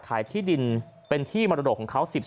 ที่ดินเป็นที่มรดกของเขา